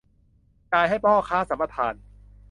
จ่ายให้พ่อค้าสัมปทาน